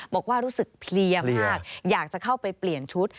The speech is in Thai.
บอกว่ารู้สึกเพลียมากอยากจะเข้าไปเปลี่ยนชุด